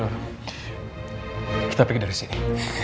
bella kita pergi dari sini